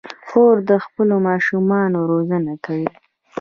خور د خپلو ماشومانو روزنه کوي.